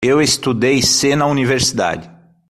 Eu estudei C na universidade.